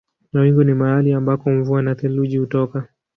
Mawingu ni mahali ambako mvua na theluji hutoka.